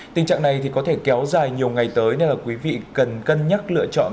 tình trạng này có thể kéo dài nhiều ngày tới nên là quý vị cần cân nhắc lựa chọn